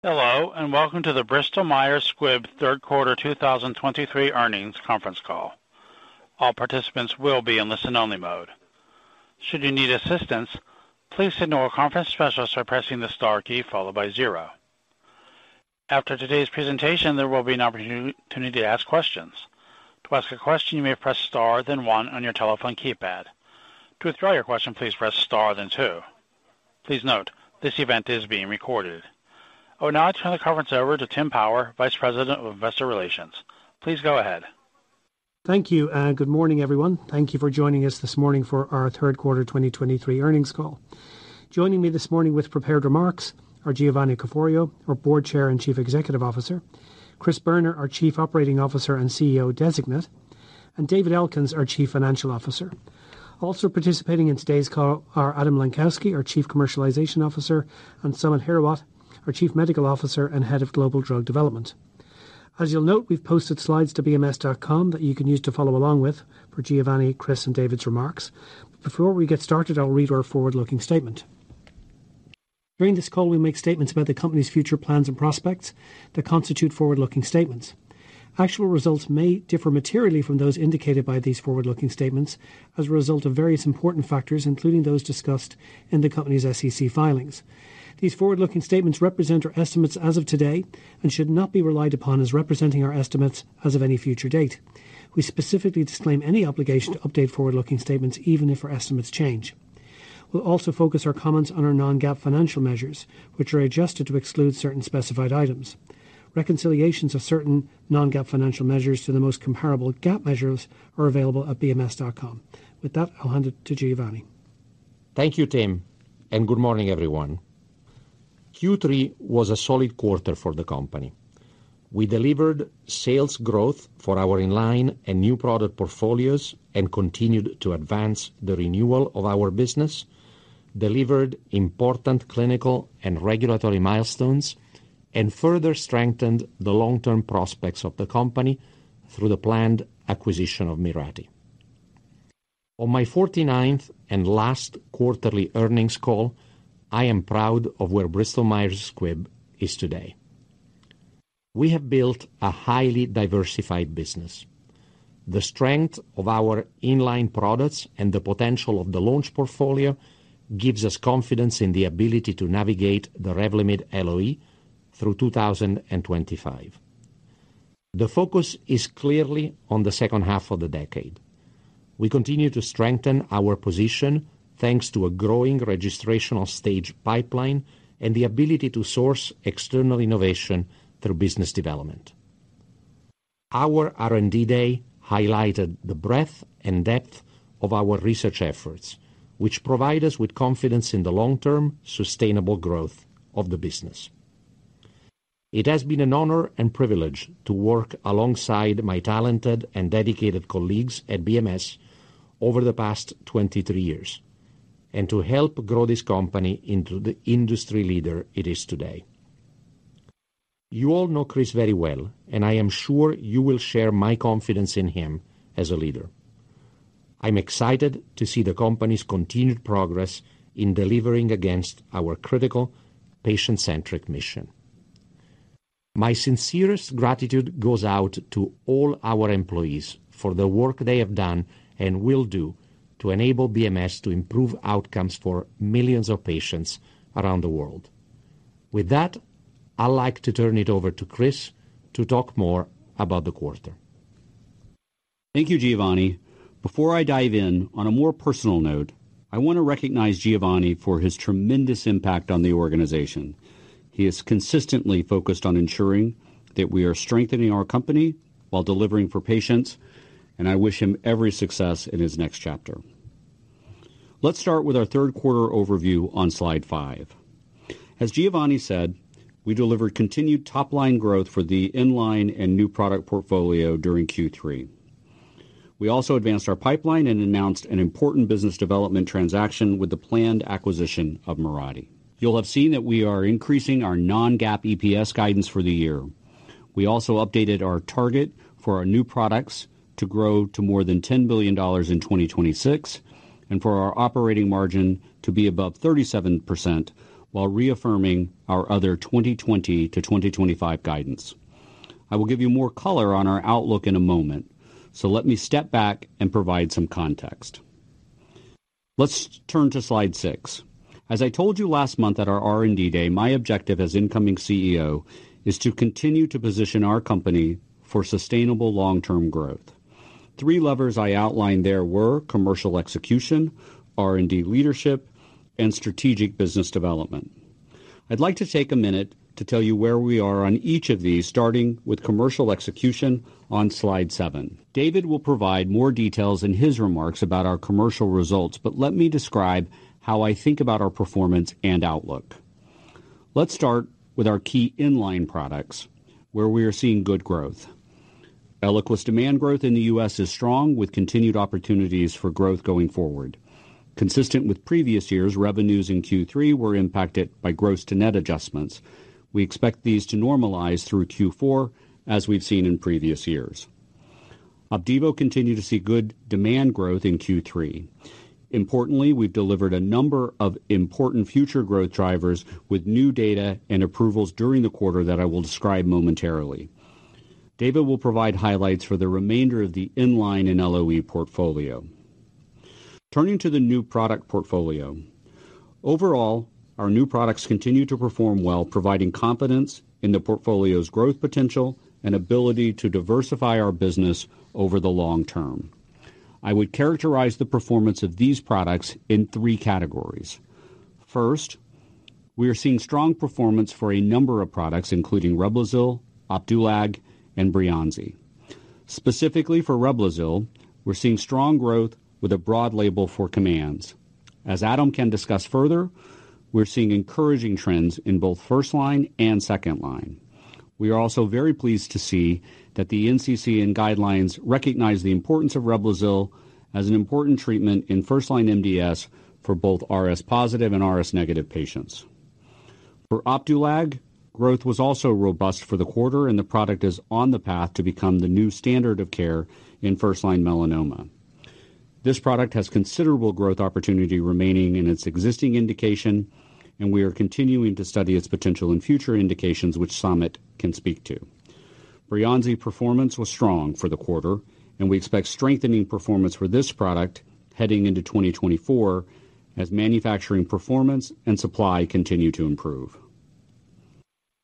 Hello, and welcome to the Bristol Myers Squibb Q3 2023 Earnings Conference Call. All participants will be in listen-only mode. Should you need assistance, please signal a conference specialist by pressing the star key followed by zero. After today's presentation, there will be an opportunity to ask questions. To ask a question, you may press star, then one on your telephone keypad. To withdraw your question, please press star, then two. Please note, this event is being recorded. I would now turn the conference over to Tim Power, Vice President of Investor Relations. Please go ahead. Thank you, and good morning, everyone. Thank you for joining us this morning for our Q3 2023 earnings call. Joining me this morning with prepared remarks are Giovanni Caforio, our Board Chair and Chief Executive Officer, Chris Boerner, our Chief Operating Officer and CEO Designate, and David Elkins, our Chief Financial Officer. Also participating in today's call are Adam Lenkowsky, our Chief Commercialization Officer, and Samit Hirawat, our Chief Medical Officer and Head of Global Drug Development. As you'll note, we've posted slides to bms.com that you can use to follow along with for Giovanni, Chris, and David's remarks. Before we get started, I'll read our forward-looking statement. During this call, we make statements about the company's future plans and prospects that constitute forward-looking statements. Actual results may differ materially from those indicated by these forward-looking statements as a result of various important factors, including those discussed in the company's SEC filings. These forward-looking statements represent our estimates as of today and should not be relied upon as representing our estimates as of any future date. We specifically disclaim any obligation to update forward-looking statements, even if our estimates change. We'll also focus our comments on our non-GAAP financial measures, which are adjusted to exclude certain specified items. Reconciliations of certain non-GAAP financial measures to the most comparable GAAP measures are available at bms.com. With that, I'll hand it to Giovanni. Thank you, Tim, and good morning, everyone. Q3 was a solid quarter for the company. We delivered sales growth for our in-line and new product portfolios and continued to advance the renewal of our business, delivered important clinical and regulatory milestones, and further strengthened the long-term prospects of the company through the planned acquisition of Mirati. On my 49th and last quarterly earnings call, I am proud of where Bristol Myers Squibb is today. We have built a highly diversified business. The strength of our in-line products and the potential of the launch portfolio gives us confidence in the ability to navigate the Revlimid LOE through 2025. The focus is clearly on the H2 of the decade. We continue to strengthen our position, thanks to a growing registrational stage pipeline and the ability to source external innovation through business development. Our R&D Day highlighted the breadth and depth of our research efforts, which provide us with confidence in the long-term sustainable growth of the business. It has been an honor and privilege to work alongside my talented and dedicated colleagues at BMS over the past 23 years, and to help grow this company into the industry leader it is today. You all know Chris very well, and I am sure you will share my confidence in him as a leader. I'm excited to see the company's continued progress in delivering against our critical patient-centric mission. My sincerest gratitude goes out to all our employees for the work they have done and will do to enable BMS to improve outcomes for millions of patients around the world. With that, I'd like to turn it over to Chris to talk more about the quarter. Thank you, Giovanni. Before I dive in, on a more personal note, I want to recognize Giovanni for his tremendous impact on the organization. He is consistently focused on ensuring that we are strengthening our company while delivering for patients, and I wish him every success in his next chapter. Let's start with our Q3 overview on slide five. As Giovanni said, we delivered continued top-line growth for the in-line and new product portfolio during Q3. We also advanced our pipeline and announced an important business development transaction with the planned acquisition of Mirati. You'll have seen that we are increasing our non-GAAP EPS guidance for the year. We also updated our target for our new products to grow to more than $10 billion in 2026, and for our operating margin to be above 37% while reaffirming our other 2020 to 2025 guidance. I will give you more color on our outlook in a moment, so let me step back and provide some context. Let's turn to slide six. As I told you last month at our R&D Day, my objective as incoming CEO is to continue to position our company for sustainable long-term growth. Three levers I outlined there were commercial execution, R&D leadership, and strategic business development. I'd like to take a minute to tell you where we are on each of these, starting with commercial execution on slide seven. David will provide more details in his remarks about our commercial results, but let me describe how I think about our performance and outlook. Let's start with our key in-line products, where we are seeing good growth. Eliquis demand growth in the U.S. is strong, with continued opportunities for growth going forward. Consistent with previous years, revenues in Q3 were impacted by gross to net adjustments. We expect these to normalize through Q4, as we've seen in previous years.... Opdivo continued to see good demand growth in Q3. Importantly, we've delivered a number of important future growth drivers with new data and approvals during the quarter that I will describe momentarily. David will provide highlights for the remainder of the in-line and LOE portfolio. Turning to the new product portfolio. Overall, our new products continue to perform well, providing confidence in the portfolio's growth potential and ability to diversify our business over the long term. I would characterize the performance of these products in three categories. First, we are seeing strong performance for a number of products, including Reblozyl, Opdualag, and Breyanzi. Specifically for Reblozyl, we're seeing strong growth with a broad label for MDS. As Adam can discuss further, we're seeing encouraging trends in both first line and second line. We are also very pleased to see that the NCCN guidelines recognize the importance of Reblozyl as an important treatment in first-line MDS for both RS positive and RS negative patients. For Opdualag, growth was also robust for the quarter, and the product is on the path to become the new standard of care in first-line melanoma. This product has considerable growth opportunity remaining in its existing indication, and we are continuing to study its potential in future indications, which Sumit can speak to. Breyanzi performance was strong for the quarter, and we expect strengthening performance for this product heading into 2024 as manufacturing performance and supply continue to improve.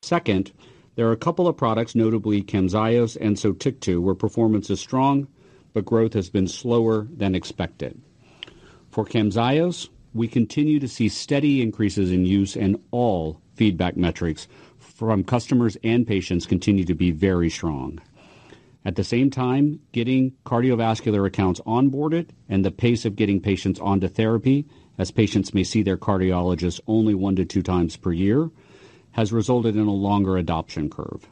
Second, there are a couple of products, notably Camzyos and Sotyktu, where performance is strong, but growth has been slower than expected. For Camzyos, we continue to see steady increases in use, and all feedback metrics from customers and patients continue to be very strong. At the same time, getting cardiovascular accounts onboarded and the pace of getting patients onto therapy, as patients may see their cardiologist only one to two times per year, has resulted in a longer adoption curve.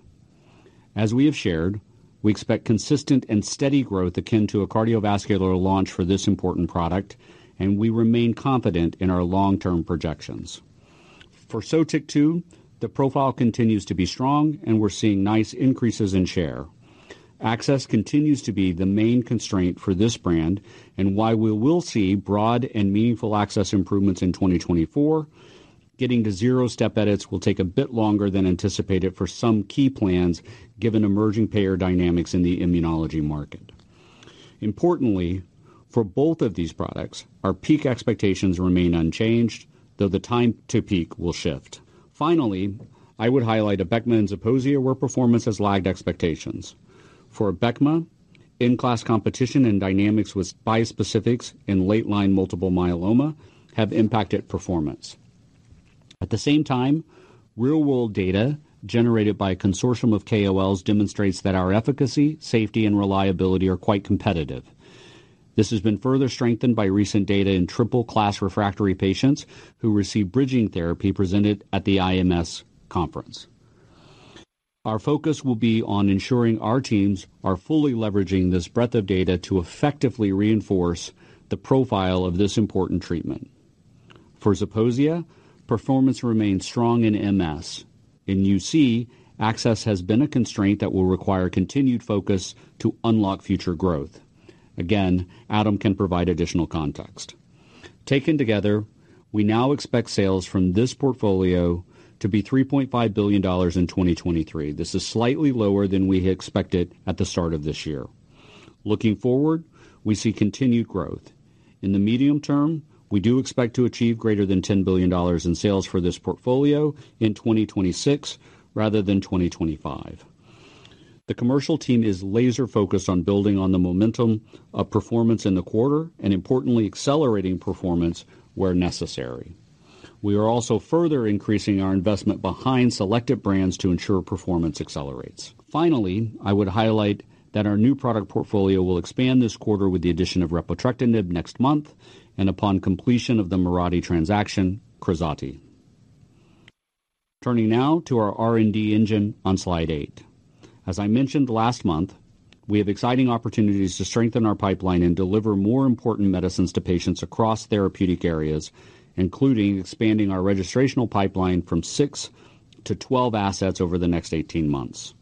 As we have shared, we expect consistent and steady growth akin to a cardiovascular launch for this important product, and we remain confident in our long-term projections. For Sotyktu, the profile continues to be strong, and we're seeing nice increases in share. Access continues to be the main constraint for this brand and why we will see broad and meaningful access improvements in 2024. Getting to zero step edits will take a bit longer than anticipated for some key plans, given emerging payer dynamics in the immunology market. Importantly, for both of these products, our peak expectations remain unchanged, though the time to peak will shift. Finally, I would highlight Abecma and Zeposia, where performance has lagged expectations. For Abecma, in-class competition and dynamics with bispecifics in late-line multiple myeloma have impacted performance. At the same time, real-world data generated by a consortium of KOLs demonstrates that our efficacy, safety, and reliability are quite competitive. This has been further strengthened by recent data in triple-class refractory patients who received bridging therapy presented at the IMS conference. Our focus will be on ensuring our teams are fully leveraging this breadth of data to effectively reinforce the profile of this important treatment. For Zeposia, performance remains strong in MS. In UC, access has been a constraint that will require continued focus to unlock future growth. Again, Adam can provide additional context. Taken together, we now expect sales from this portfolio to be $3.5 billion in 2023. This is slightly lower than we had expected at the start of this year. Looking forward, we see continued growth. In the medium term, we do expect to achieve greater than $10 billion in sales for this portfolio in 2026 rather than 2025. The commercial team is laser-focused on building on the momentum of performance in the quarter and importantly, accelerating performance where necessary. We are also further increasing our investment behind selective brands to ensure performance accelerates. Finally, I would highlight that our new product portfolio will expand this quarter with the addition of repotrectinib next month and upon completion of the Mirati transaction, Krazati. Turning now to our R&D engine on slide eight. As I mentioned last month, we have exciting opportunities to strengthen our pipeline and deliver more important medicines to patients across therapeutic areas, including expanding our registrational pipeline from six to 12 assets over the next 18 months.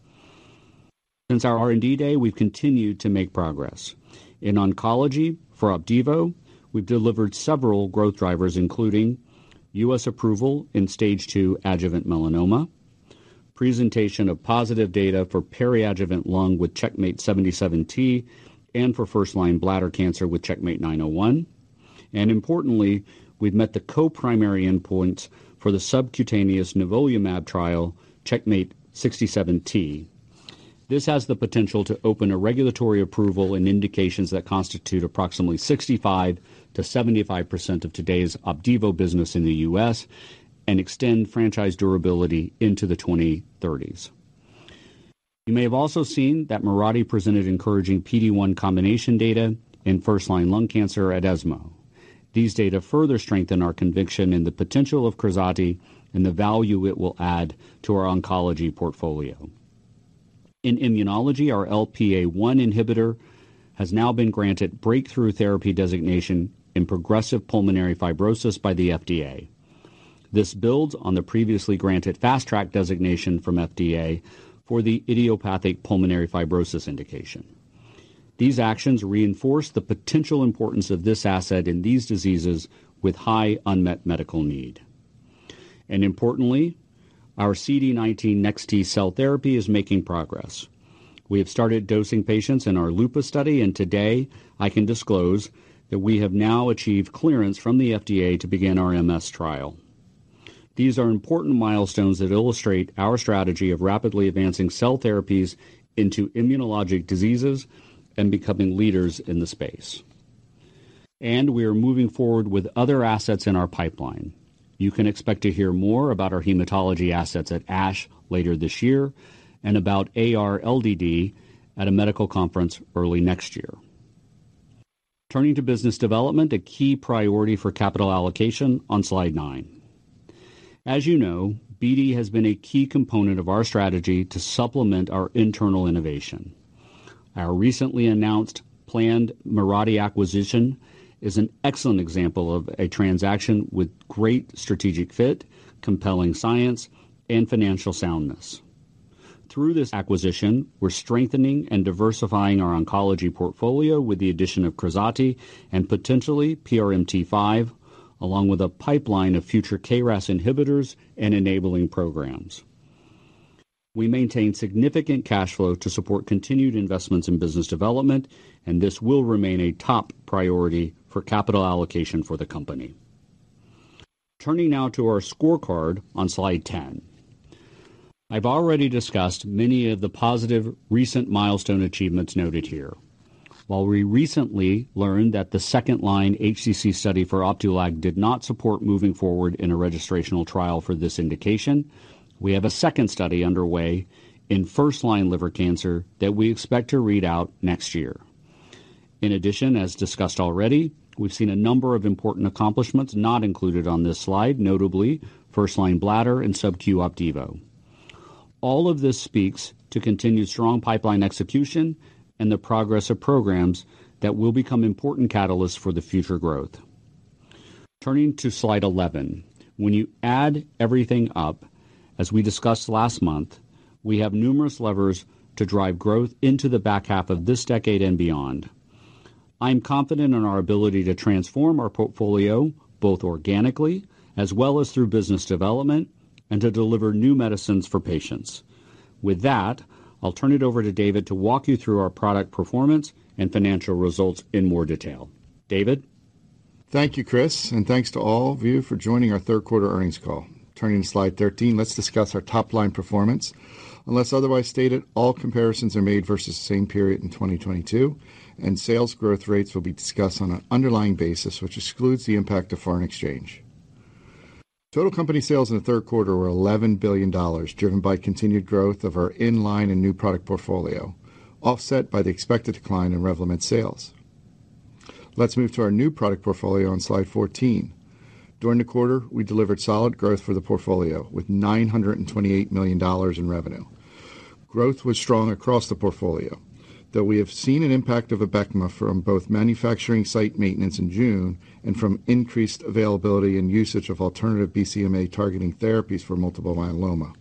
Since our R&D day, we've continued to make progress. In oncology, for Opdivo, we've delivered several growth drivers, including U.S. approval in stage two adjuvant melanoma, presentation of positive data for peri-adjuvant lung with CheckMate 77T, and for first-line bladder cancer with CheckMate 901. And importantly, we've met the co-primary endpoints for the subcutaneous nivolumab trial, CheckMate 67T. This has the potential to open a regulatory approval in indications that constitute approximately 65%-75% of today's Opdivo business in the U.S. and extend franchise durability into the 2030s. You may have also seen that Mirati presented encouraging PD-1 combination data in first-line lung cancer at ESMO. These data further strengthen our conviction in the potential of Krazati and the value it will add to our oncology portfolio. In immunology, our LPA-1 inhibitor has now been granted Breakthrough Therapy Designation in progressive pulmonary fibrosis by the FDA. This builds on the previously granted Fast Track Designation from FDA for the idiopathic pulmonary fibrosis indication. These actions reinforce the potential importance of this asset in these diseases with high unmet medical need. And importantly, our CD19 NexT-cell therapy is making progress. We have started dosing patients in our lupus study, and today I can disclose that we have now achieved clearance from the FDA to begin our MS trial. These are important milestones that illustrate our strategy of rapidly advancing cell therapies into immunologic diseases and becoming leaders in the space. We are moving forward with other assets in our pipeline. You can expect to hear more about our hematology assets at ASH later this year and about ARLDD at a medical conference early next year. Turning to business development, a key priority for capital allocation on slide nine. As you know, BD has been a key component of our strategy to supplement our internal innovation. Our recently announced planned Mirati acquisition is an excellent example of a transaction with great strategic fit, compelling science, and financial soundness. Through this acquisition, we're strengthening and diversifying our oncology portfolio with the addition of Krazati and potentially PRMT5, along with a pipeline of future KRAS inhibitors and enabling programs. We maintain significant cash flow to support continued investments in business development, and this will remain a top priority for capital allocation for the company. Turning now to our scorecard on slide 10. I've already discussed many of the positive recent milestone achievements noted here. While we recently learned that the second line HCC study for Opdualag did not support moving forward in a registrational trial for this indication, we have a second study underway in first-line liver cancer that we expect to read out next year. In addition, as discussed already, we've seen a number of important accomplishments not included on this slide, notably first-line bladder and subQ Opdivo. All of this speaks to continued strong pipeline execution and the progress of programs that will become important catalysts for the future growth. Turning to slide 11. When you add everything up, as we discussed last month, we have numerous levers to drive growth into the back half of this decade and beyond. I'm confident in our ability to transform our portfolio, both organically as well as through business development, and to deliver new medicines for patients. With that, I'll turn it over to David to walk you through our product performance and financial results in more detail. David? Thank you, Chris, and thanks to all of you for joining our Q3 earnings call. Turning to slide 13, let's discuss our top-line performance. Unless otherwise stated, all comparisons are made versus the same period in 2022, and sales growth rates will be discussed on an underlying basis, which excludes the impact of foreign exchange. Total company sales in the Q3 were $11 billion, driven by continued growth of our in-line and new product portfolio, offset by the expected decline in Revlimid sales. Let's move to our new product portfolio on slide 14. During the quarter, we delivered solid growth for the portfolio with $928 million in revenue. Growth was strong across the portfolio, though we have seen an impact of Abecma from both manufacturing site maintenance in June and from increased availability and usage of alternative BCMA-targeting therapies for multiple myeloma.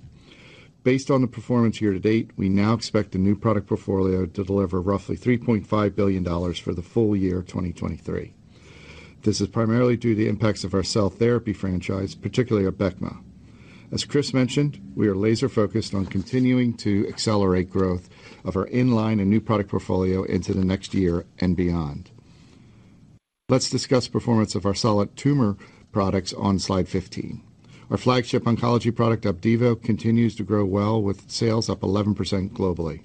Based on the performance year to date, we now expect the new product portfolio to deliver roughly $3.5 billion for the full year of 2023. This is primarily due to the impacts of our cell therapy franchise, particularly Abecma. As Chris mentioned, we are laser-focused on continuing to accelerate growth of our in-line and new product portfolio into the next year and beyond. Let's discuss performance of our solid tumor products on slide 15. Our flagship oncology product, Opdivo, continues to grow well, with sales up 11% globally.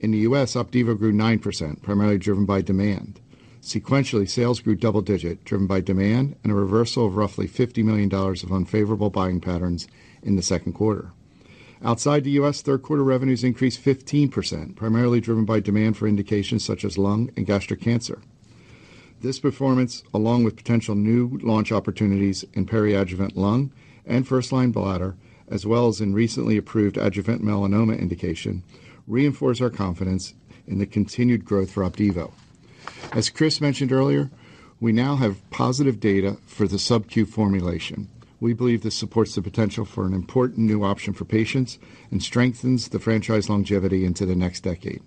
In the U.S., Opdivo grew 9%, primarily driven by demand. Sequentially, sales grew double digit, driven by demand and a reversal of roughly $50 million of unfavorable buying patterns in the Q2. Outside the U.S., Q3 revenues increased 15%, primarily driven by demand for indications such as lung and gastric cancer. This performance, along with potential new launch opportunities in peri-adjuvant lung and first-line bladder, as well as in recently approved adjuvant melanoma indication, reinforce our confidence in the continued growth for Opdivo. As Chris mentioned earlier, we now have positive data for the SubQ formulation. We believe this supports the potential for an important new option for patients and strengthens the franchise longevity into the next decade.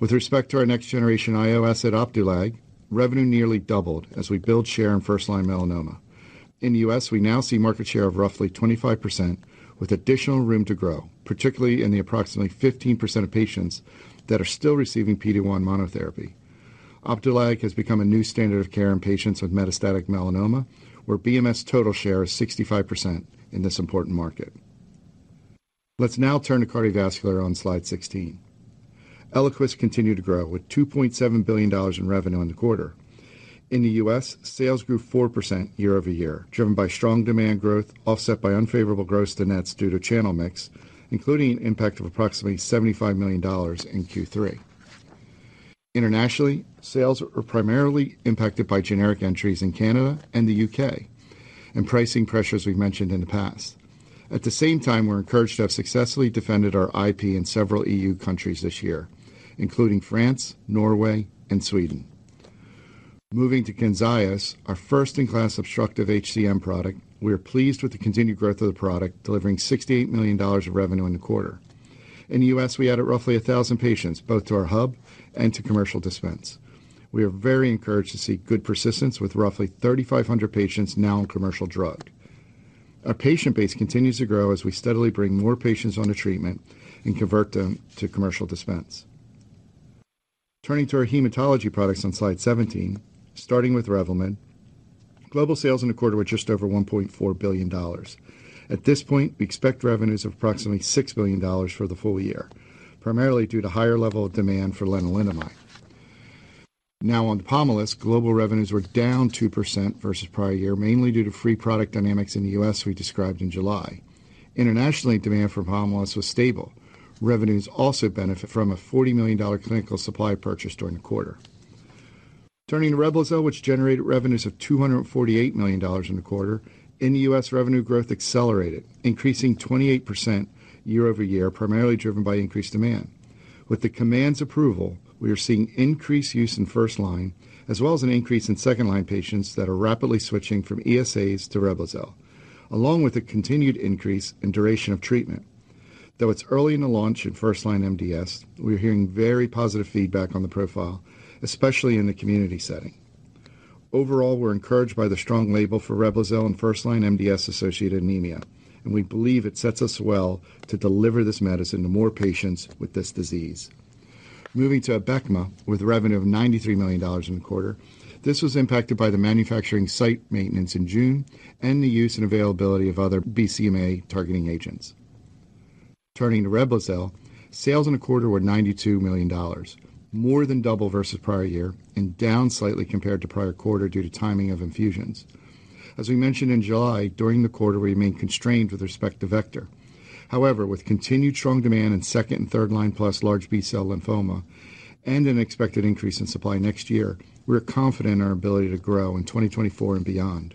With respect to our next generation IO asset, Opdualag, revenue nearly doubled as we build share in first-line melanoma. In the U.S., we now see market share of roughly 25%, with additional room to grow, particularly in the approximately 15% of patients that are still receiving PD-1 monotherapy. Opdualag has become a new standard of care in patients with metastatic melanoma, where BMS total share is 65% in this important market. Let's now turn to cardiovascular on slide 16. Eliquis continued to grow with $2.7 billion in revenue in the quarter. In the U.S., sales grew 4% year over year, driven by strong demand growth, offset by unfavorable gross-to-nets due to channel mix, including impact of approximately $75 million in Q3. Internationally, sales are primarily impacted by generic entries in Canada and the U.K. and pricing pressures we've mentioned in the past. At the same time, we're encouraged to have successfully defended our IP in several EU countries this year, including France, Norway, and Sweden. Moving to Camzyos, our first-in-class obstructive HCM product, we are pleased with the continued growth of the product, delivering $68 million of revenue in the quarter. In the U.S., we added roughly 1,000 patients, both to our hub and to commercial dispense. We are very encouraged to see good persistence with roughly 3,500 patients now on commercial drug. Our patient base continues to grow as we steadily bring more patients on the treatment and convert them to commercial dispense. Turning to our hematology products on slide 17, starting with Revlimid. Global sales in the quarter were just over $1.4 billion. At this point, we expect revenues of approximately $6 billion for the full year, primarily due to higher level of demand for lenalidomide. Now, on Pomalyst, global revenues were down 2% versus prior year, mainly due to free product dynamics in the U.S. we described in July. Internationally, demand for Pomalyst was stable. Revenues also benefit from a $40 million clinical supply purchase during the quarter. Turning to Reblozyl, which generated revenues of $248 million in the quarter. In the U.S., revenue growth accelerated, increasing 28% year-over-year, primarily driven by increased demand. With the Command's approval, we are seeing increased use in first-line, as well as an increase in second-line patients that are rapidly switching from ESAs to Reblozyl, along with a continued increase in duration of treatment. Though it's early in the launch in first-line MDS, we're hearing very positive feedback on the profile, especially in the community setting. Overall, we're encouraged by the strong label for Reblozyl in first-line MDS-associated anemia, and we believe it sets us well to deliver this medicine to more patients with this disease. Moving to Abecma, with revenue of $93 million in the quarter, this was impacted by the manufacturing site maintenance in June and the use and availability of other BCMA-targeting agents. Turning to Reblozyl, sales in the quarter were $92 million, more than double versus prior year and down slightly compared to prior quarter due to timing of infusions. As we mentioned in July, during the quarter, we remained constrained with respect to vector. However, with continued strong demand in second and third line, plus large B-cell lymphoma and an expected increase in supply next year, we are confident in our ability to grow in 2024 and beyond.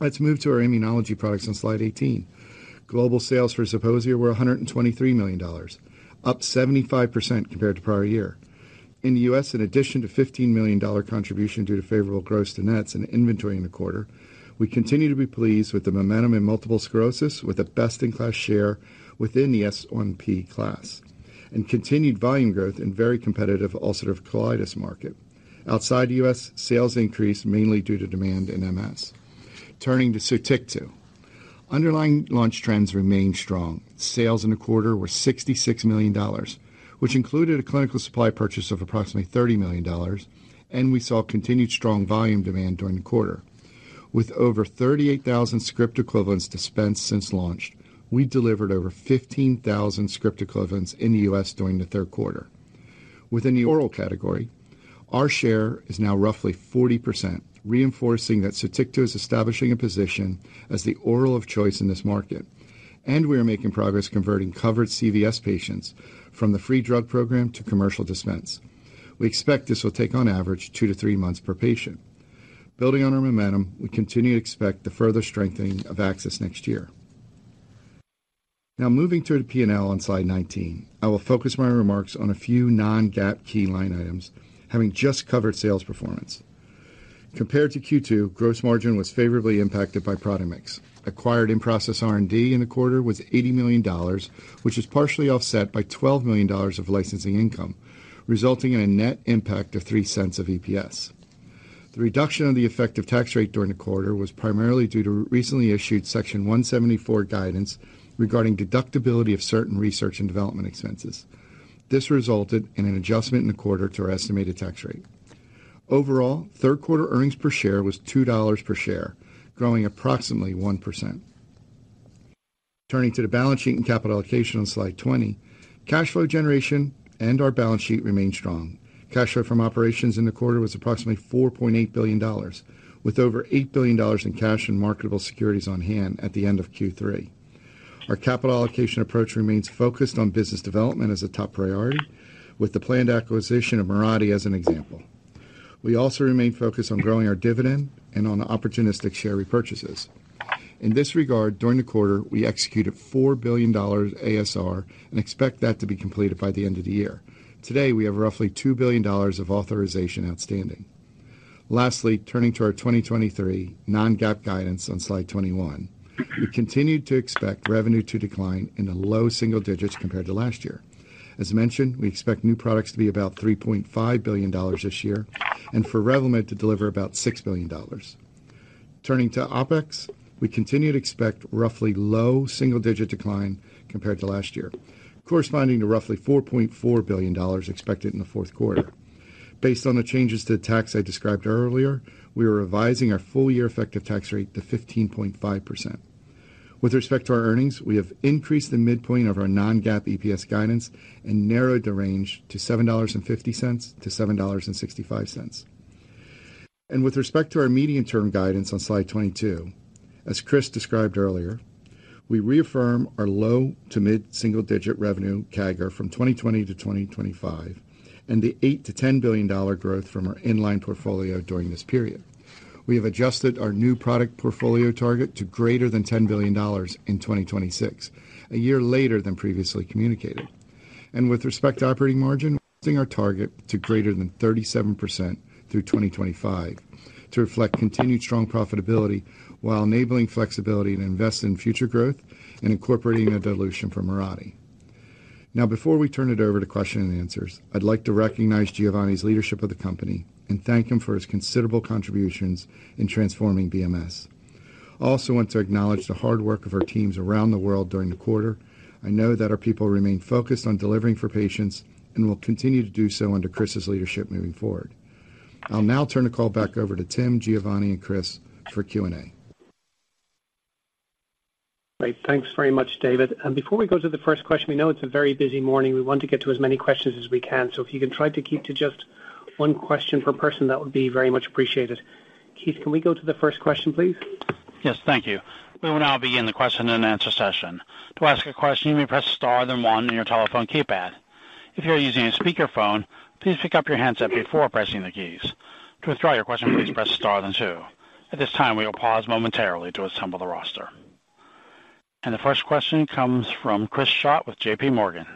Let's move to our immunology products on slide 18. Global sales for Zeposia were $123 million, up 75% compared to prior year. In the U.S., in addition to $15 million contribution due to favorable gross to nets and inventory in the quarter, we continue to be pleased with the momentum in multiple sclerosis, with a best-in-class share within the S1P class and continued volume growth in very competitive ulcerative colitis market. Outside the U.S., sales increased mainly due to demand in MS. Turning to Zytiga. Underlying launch trends remain strong. Sales in the quarter were $66 million, which included a clinical supply purchase of approximately $30 million, and we saw continued strong volume demand during the quarter. With over 38,000 script equivalents dispensed since launch, we delivered over 15,000 script equivalents in the U.S. during the Q3. Within the oral category, our share is now roughly 40%, reinforcing that Zytiga is establishing a position as the oral of choice in this market, and we are making progress converting covered CVS patients from the free drug program to commercial dispense. We expect this will take on average 2-3 months per patient. Building on our momentum, we continue to expect the further strengthening of access next year. Now, moving to the P&L on slide 19, I will focus my remarks on a few non-GAAP key line items, having just covered sales performance. Compared to Q2, gross margin was favorably impacted by product mix. Acquired in-process R&D in the quarter was $80 million, which is partially offset by $12 million of licensing income, resulting in a net impact of $0.03 of EPS. The reduction on the effective tax rate during the quarter was primarily due to recently issued Section 174 guidance regarding deductibility of certain research and development expenses. This resulted in an adjustment in the quarter to our estimated tax rate. Overall, Q3 earnings per share was $2 per share, growing approximately 1%. Turning to the balance sheet and capital allocation on slide 20, cash flow generation and our balance sheet remain strong. Cash flow from operations in the quarter was approximately $4.8 billion, with over $8 billion in cash and marketable securities on hand at the end of Q3. Our capital allocation approach remains focused on business development as a top priority, with the planned acquisition of Mirati as an example. We also remain focused on growing our dividend and on the opportunistic share repurchases. In this regard, during the quarter, we executed $4 billion ASR and expect that to be completed by the end of the year. Today, we have roughly $2 billion of authorization outstanding. Lastly, turning to our 2023 non-GAAP guidance on slide 21. We continue to expect revenue to decline in the low single digits compared to last year. As mentioned, we expect new products to be about $3.5 billion this year and for Revlimid to deliver about $6 billion. Turning to OpEx, we continue to expect roughly low single-digit decline compared to last year, corresponding to roughly $4.4 billion expected in the Q4. Based on the changes to tax I described earlier, we are revising our full-year effective tax rate to 15.5%. With respect to our earnings, we have increased the midpoint of our non-GAAP EPS guidance and narrowed the range to $7.50-$7.65. With respect to our medium-term guidance on slide 22, as Chris described earlier. We reaffirm our low to mid-single-digit revenue CAGR from 2020 to 2025, and the $8 billion-$10 billion growth from our in-line portfolio during this period. We have adjusted our new product portfolio target to greater than $10 billion in 2026, a year later than previously communicated. With respect to operating margin, raising our target to greater than 37% through 2025 to reflect continued strong profitability, while enabling flexibility to invest in future growth and incorporating a dilution from Mirati. Now, before we turn it over to question and answers, I'd like to recognize Giovanni's leadership of the company and thank him for his considerable contributions in transforming BMS. I also want to acknowledge the hard work of our teams around the world during the quarter. I know that our people remain focused on delivering for patients and will continue to do so under Chris's leadership moving forward. I'll now turn the call back over to Tim, Giovanni, and Chris for Q&A. Great. Thanks very much, David. Before we go to the first question, we know it's a very busy morning. We want to get to as many questions as we can, so if you can try to keep to just one question per person, that would be very much appreciated. Keith, can we go to the first question, please? Yes, thank you. We will now begin the question and answer session. To ask a question, you may press Star, then one on your telephone keypad. If you're using a speakerphone, please pick up your handset before pressing the keys. To withdraw your question, please press Star then two. At this time, we will pause momentarily to assemble the roster. The first question comes from Chris Schott with JPMorgan.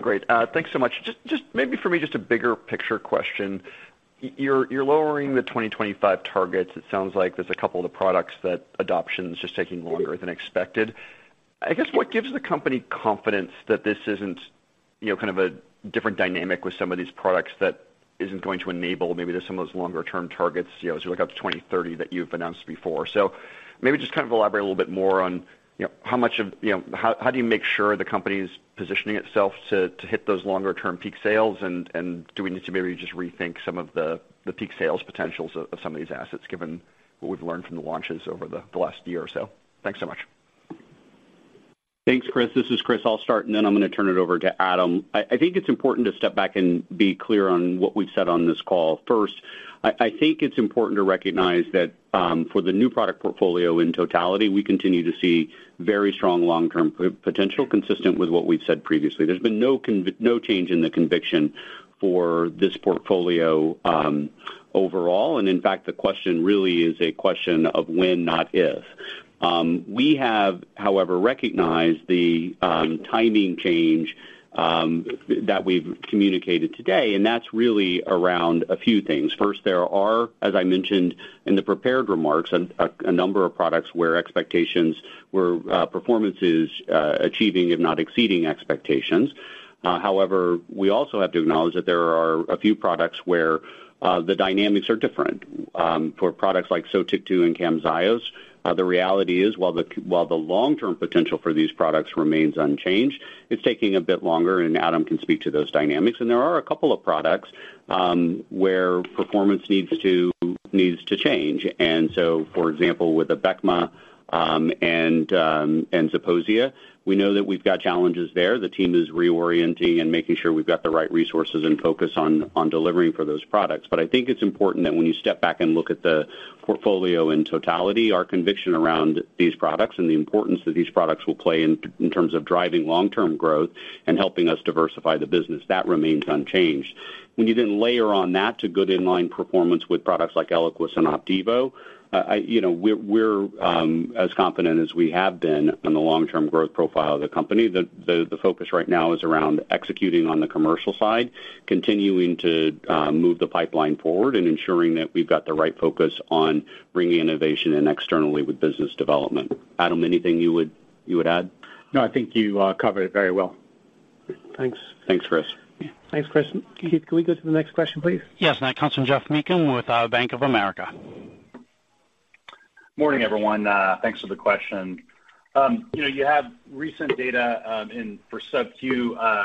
Great. Thanks so much. Just maybe for me, just a bigger picture question. You're lowering the 2025 targets. It sounds like there's a couple of the products that adoption is just taking longer than expected. I guess, what gives the company confidence that this isn't, you know, kind of a different dynamic with some of these products that isn't going to enable maybe some of those longer-term targets, you know, as you look out to 2030 that you've announced before? So maybe just kind of elaborate a little bit more on, you know, how much of... You know, how do you make sure the company is positioning itself to hit those longer-term peak sales? Do we need to maybe just rethink some of the peak sales potentials of some of these assets, given what we've learned from the launches over the last year or so? Thanks so much. Thanks, Chris. This is Chris. I'll start, and then I'm gonna turn it over to Adam. I think it's important to step back and be clear on what we've said on this call. First, I think it's important to recognize that for the new product portfolio in totality, we continue to see very strong long-term potential, consistent with what we've said previously. There's been no change in the conviction for this portfolio, overall, and in fact, the question really is a question of when, not if. We have, however, recognized the timing change that we've communicated today, and that's really around a few things. First, there are, as I mentioned in the prepared remarks, a number of products where performance is achieving, if not exceeding expectations. However, we also have to acknowledge that there are a few products where the dynamics are different. For products like Sotyktu and Camzyos, the reality is, while the long-term potential for these products remains unchanged, it's taking a bit longer, and Adam can speak to those dynamics. And there are a couple of products where performance needs to, needs to change. And so, for example, with Abecma and Zeposia, we know that we've got challenges there. The team is reorienting and making sure we've got the right resources and focus on delivering for those products. But I think it's important that when you step back and look at the portfolio in totality, our conviction around these products and the importance that these products will play in terms of driving long-term growth and helping us diversify the business, that remains unchanged. When you then layer on that to good in-line performance with products like Eliquis and Opdivo, I... You know, we're as confident as we have been on the long-term growth profile of the company. The focus right now is around executing on the commercial side, continuing to move the pipeline forward, and ensuring that we've got the right focus on bringing innovation in externally with business development. Adam, anything you would add? No, I think you covered it very well. Thanks. Thanks, Chris. Thanks, Chris. Keith, can we go to the next question, please? Yes, and that comes from Geoff Meacham with Bank of America. Morning, everyone. Thanks for the question. You know, you have recent data in for SubQ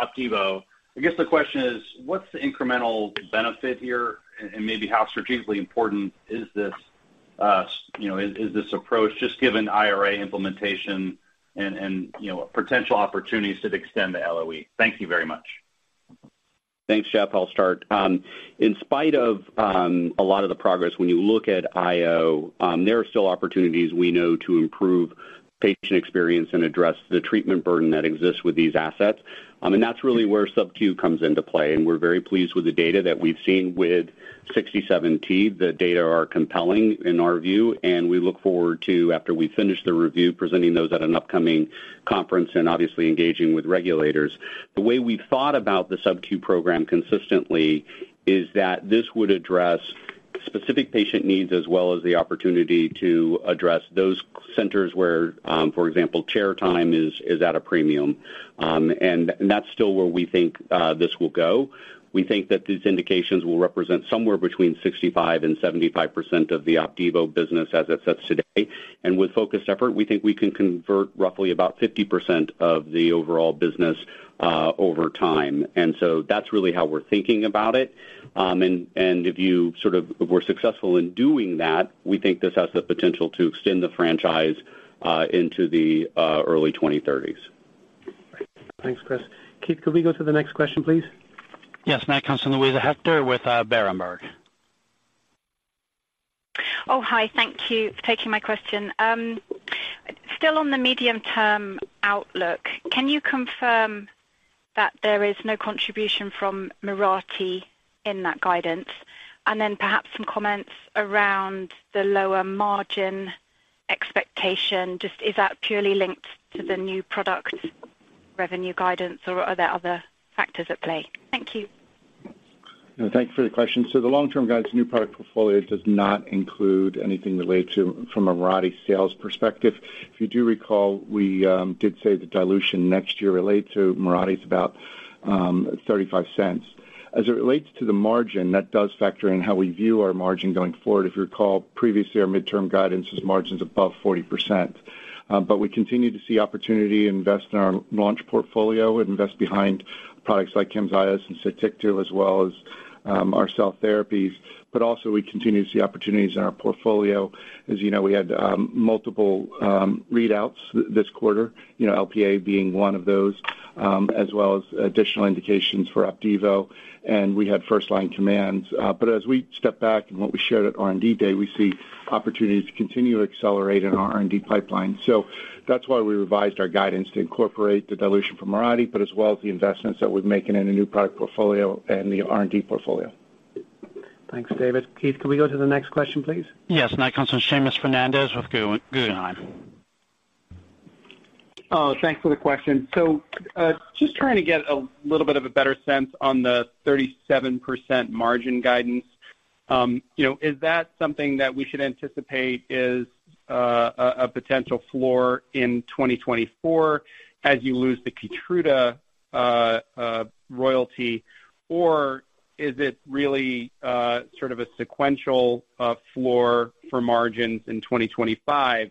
Opdivo. I guess the question is, what's the incremental benefit here, and maybe how strategically important is this, you know, is this approach, just given IRA implementation and, you know, potential opportunities to extend the LOE? Thank you very much. Thanks, Geoff. I'll start. In spite of a lot of the progress, when you look at IO, there are still opportunities we know to improve patient experience and address the treatment burden that exists with these assets. That's really where SubQ comes into play, and we're very pleased with the data that we've seen with 67T. The data are compelling in our view, and we look forward to, after we finish the review, presenting those at an upcoming conference and obviously engaging with regulators. The way we thought about the SubQ program consistently is that this would address specific patient needs, as well as the opportunity to address those centers where, for example, chair time is at a premium, and that's still where we think this will go. We think that these indications will represent somewhere between 65%-75% of the Opdivo business as it sits today. With focused effort, we think we can convert roughly about 50% of the overall business over time. So that's really how we're thinking about it. And if we're successful in doing that, we think this has the potential to extend the franchise into the early 2030s.... Thanks, Chris. Keith, could we go to the next question, please? Yes, now it comes from Luisa Hector with Berenberg. Oh, hi, thank you for taking my question. Still on the medium-term outlook, can you confirm that there is no contribution from Mirati in that guidance? And then perhaps some comments around the lower margin expectation, just is that purely linked to the new product revenue guidance, or are there other factors at play? Thank you. No, thank you for the question. So the long-term guidance, new product portfolio does not include anything related to, from a Mirati sales perspective. If you do recall, we did say the dilution next year relate to Mirati is about $0.35. As it relates to the margin, that does factor in how we view our margin going forward. If you recall, previously, our mid-term guidance was margins above 40%. But we continue to see opportunity to invest in our launch portfolio, invest behind products like Camzyos and Sotyktu, as well as our cell therapies. But also we continue to see opportunities in our portfolio. As you know, we had multiple readouts this quarter, you know, LPA being one of those, as well as additional indications for Opdivo, and we had first-line combos. As we step back and what we shared at R&D Day, we see opportunities to continue to accelerate in our R&D pipeline. That's why we revised our guidance to incorporate the dilution from Mirati, but as well as the investments that we're making in the new product portfolio and the R&D portfolio. Thanks, David. Keith, can we go to the next question, please? Yes. Now it comes from Seamus Fernandez with Guggenheim. Oh, thanks for the question. So, just trying to get a little bit of a better sense on the 37% margin guidance. You know, is that something that we should anticipate is a potential floor in 2024 as you lose the Keytruda royalty? Or is it really sort of a sequential floor for margins in 2025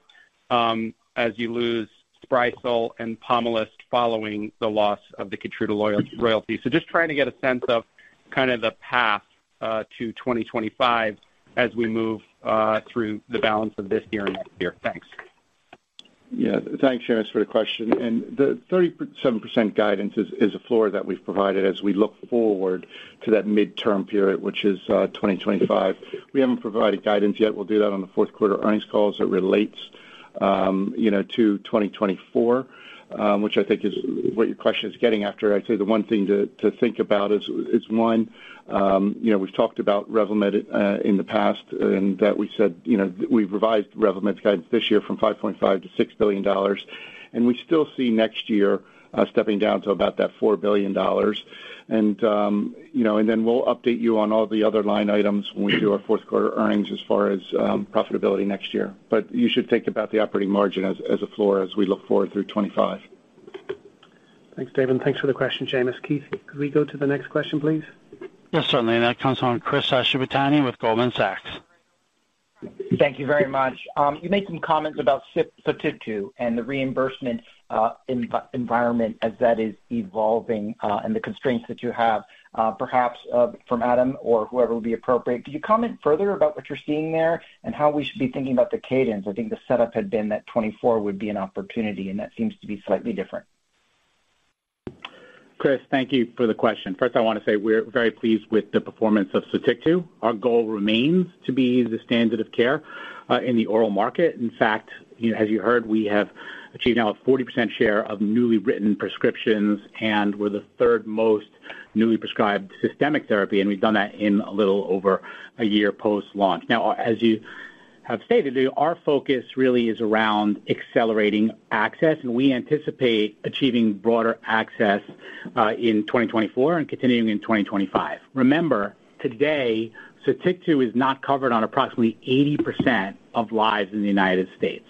as you lose Sprycel and Pomalyst following the loss of the Keytruda royalty? So just trying to get a sense of kind of the path to 2025 as we move through the balance of this year and next year. Thanks. Yeah. Thanks, Seamus, for the question. The 37% guidance is a floor that we've provided as we look forward to that midterm period, which is 2025. We haven't provided guidance yet. We'll do that on the Q4 earnings call as it relates, you know, to 2024, which I think is what your question is getting after. I'd say the one thing to think about is one, you know, we've talked about Revlimid in the past, and that we said, you know, we've revised Revlimid's guidance this year from $5.5 billion to $6 billion, and we still see next year stepping down to about that $4 billion. You know, and then we'll update you on all the other line items when we do our Q4 earnings as far as profitability next year. But you should think about the operating margin as a floor as we look forward through 2025. Thanks, David. Thanks for the question, Seamus. Keith, could we go to the next question, please? Yes, certainly. That comes from Chris Shibutani with Goldman Sachs. Thank you very much. You made some comments about Sotyktu and the reimbursement environment as that is evolving, and the constraints that you have, perhaps from Adam or whoever would be appropriate. Could you comment further about what you're seeing there and how we should be thinking about the cadence? I think the setup had been that 2024 would be an opportunity, and that seems to be slightly different. Chris, thank you for the question. First, I want to say we're very pleased with the performance of Sotyktu. Our goal remains to be the standard of care in the oral market. In fact, you know, as you heard, we have achieved now a 40% share of newly written prescriptions, and we're the third most newly prescribed systemic therapy, and we've done that in a little over a year post-launch. Now, as you have stated, our focus really is around accelerating access, and we anticipate achieving broader access in 2024 and continuing in 2025. Remember, today, Sotyktu is not covered on approximately 80% of lives in the United States.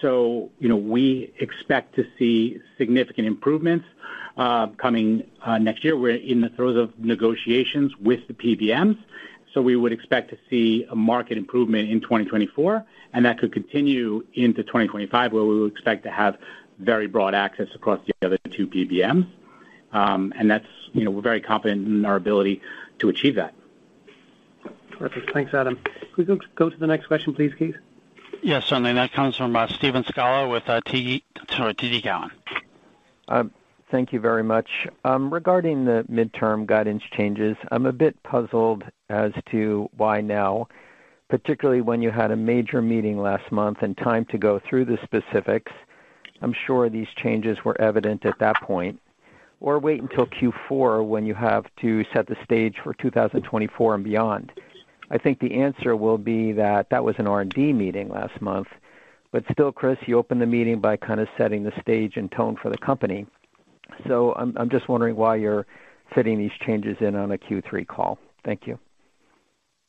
So, you know, we expect to see significant improvements coming next year. We're in the throes of negotiations with the PBMs, so we would expect to see a market improvement in 2024, and that could continue into 2025, where we would expect to have very broad access across the other two PBMs. That's, you know, we're very confident in our ability to achieve that. Terrific. Thanks, Adam. Could we go to the next question, please, Keith? Yes, certainly. That comes from Steve Scala with TD Cowen. Thank you very much. Regarding the midterm guidance changes, I'm a bit puzzled as to why now, particularly when you had a major meeting last month and time to go through the specifics. I'm sure these changes were evident at that point, or wait until Q4 when you have to set the stage for 2024 and beyond. I think the answer will be that that was an R&D meeting last month. But still, Chris, you opened the meeting by kind of setting the stage and tone for the company. So I'm, I'm just wondering why you're fitting these changes in on a Q3 call. Thank you.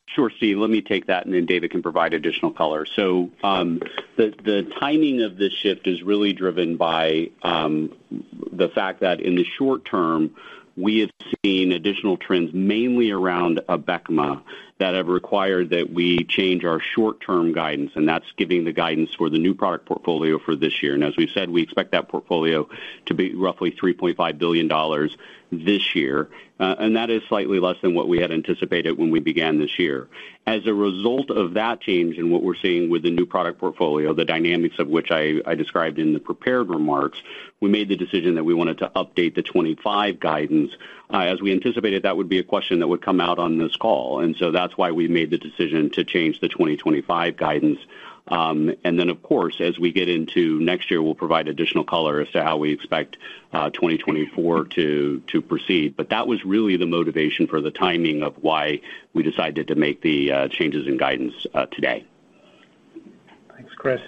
Sure, Steve. Let me take that, and then David can provide additional color. So, the timing of this shift is really driven by the fact that in the short term, we have seen additional trends, mainly around Abecma, that have required that we change our short-term guidance, and that's giving the guidance for the new product portfolio for this year. And as we've said, we expect that portfolio to be roughly $3.5 billion this year, and that is slightly less than what we had anticipated when we began this year. As a result of that change and what we're seeing with the new product portfolio, the dynamics of which I described in the prepared remarks, we made the decision that we wanted to update the 2025 guidance. As we anticipated, that would be a question that would come out on this call, and so that's why we made the decision to change the 2025 guidance. Of course, as we get into next year, we'll provide additional color as to how we expect 2024 to proceed. But that was really the motivation for the timing of why we decided to make the changes in guidance today.... Chris.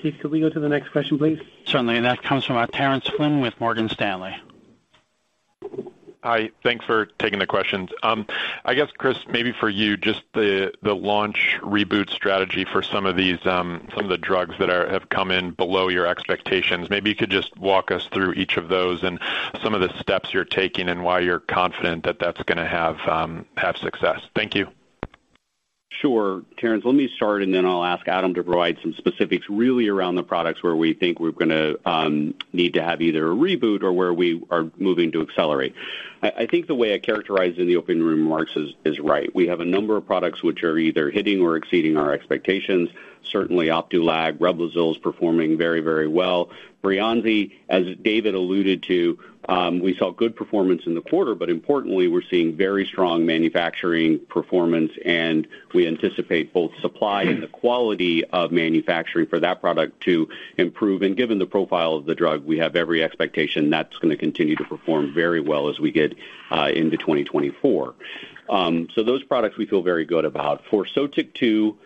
Keith, could we go to the next question, please? Certainly. And that comes from, Terence Flynn with Morgan Stanley. Hi, thanks for taking the questions. I guess, Chris, maybe for you, just the launch reboot strategy for some of the drugs that have come in below your expectations. Maybe you could just walk us through each of those and some of the steps you're taking and why you're confident that that's gonna have success. Thank you. Sure. Terence, let me start, and then I'll ask Adam to provide some specifics really around the products where we think we're gonna need to have either a reboot or where we are moving to accelerate. I think the way I characterized in the opening remarks is right. We have a number of products which are either hitting or exceeding our expectations. Certainly, Opdualag, Revlimid is performing very, very well. Breyanzi, as David alluded to, we saw good performance in the quarter, but importantly, we're seeing very strong manufacturing performance, and we anticipate both supply and the quality of manufacturing for that product to improve. And given the profile of the drug, we have every expectation that's gonna continue to perform very well as we get into 2024. So those products we feel very good about. For Sotyktu,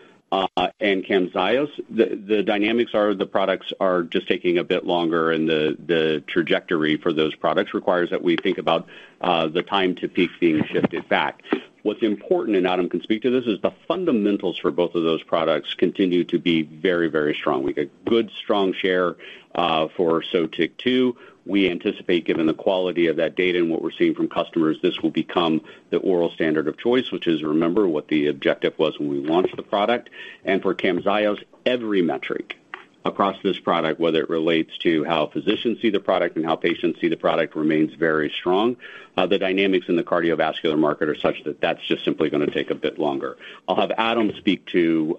and Camzyos, the dynamics are, the products are just taking a bit longer, and the trajectory for those products requires that we think about the time to peak being shifted back. What's important, and Adam can speak to this, is the fundamentals for both of those products continue to be very, very strong. We get good, strong share for Sotyktu. We anticipate, given the quality of that data and what we're seeing from customers, this will become the oral standard of choice, which is, remember, what the objective was when we launched the product. And for Camzyos, every metric across this product, whether it relates to how physicians see the product and how patients see the product, remains very strong. The dynamics in the cardiovascular market are such that that's just simply gonna take a bit longer. I'll have Adam speak to